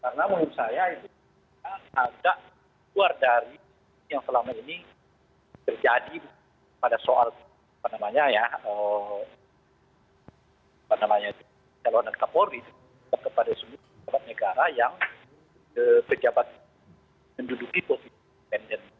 karena menurut saya itu tidak ada keluar dari yang selama ini terjadi pada soal apa namanya ya apa namanya itu calon kapolri kepada semua pejabat negara yang pejabat menduduki posisi pendek